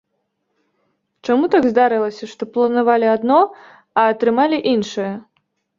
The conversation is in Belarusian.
Чаму так здарылася, што планавалі адно, а атрымалі іншае?